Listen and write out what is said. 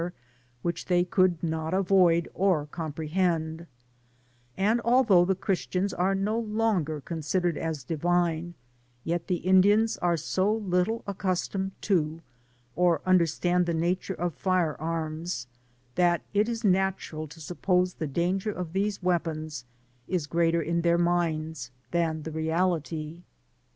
119 ihatiner which they could not avmd or comprehend ; and although the Christians are no longer considered as divine, yet the Indians are so little accustomed to, or understand the nature of fire arms, that it is natural to suppose the danger of these weapons is greater in their minds than the reality.